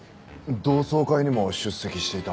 同窓会にも出席していた。